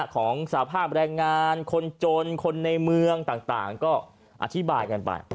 ของสภาพแรงงานคนจนคนในเมืองต่างก็อธิบายกันไป